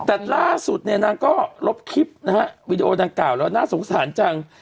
แต่ล่าสุดเนี่ยนางก็ลบคลิปนะฮะวีดีโอดังกล่าวแล้วน่าสงสารจัง